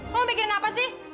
mau mikirin apa sih